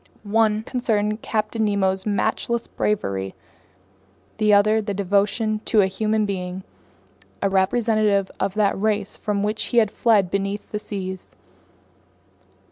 One concerned Captain Nemo's matchless bravery, the other his devotion to a human being, a representative of that race from which he had fled beneath the seas.